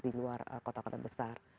di luar kota kota besar